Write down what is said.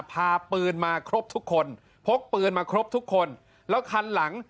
พาปืนมาครบทุกคนพกปืนมาครบทุกคนแล้วคันหลัง